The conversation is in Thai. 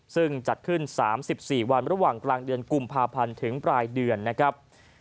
ซึ่งจัดขึ้น๓๔วันระหว่างกลางเดือนกุมภาพันธ์ถึงปลายเดือนนะครับ